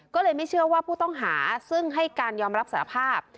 ก็เลยไม่เชื่อว่าผู้ต้องหาซึ่งให้การยอมรับสารภาพ